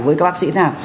với các bác sĩ nào